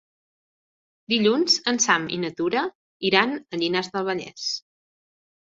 Dilluns en Sam i na Tura iran a Llinars del Vallès.